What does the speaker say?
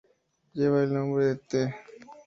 Lleva el nombre del Tte.